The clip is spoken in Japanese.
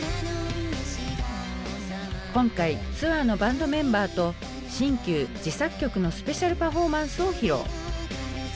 今回ツアーのバンドメンバーと新旧自作曲のスペシャルパフォーマンスを披露。